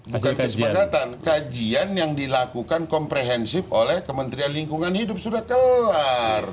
bukan kesepakatan kajian yang dilakukan komprehensif oleh kementerian lingkungan hidup sudah kelar